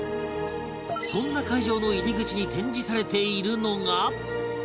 そんな会場の入り口に展示されているのが